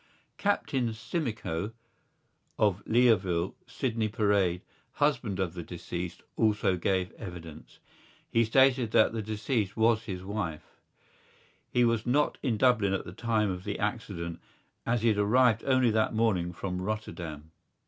Captain Sinico, of Leoville, Sydney Parade, husband of the deceased, also gave evidence. He stated that the deceased was his wife. He was not in Dublin at the time of the accident as he had arrived only that morning from Rotterdam.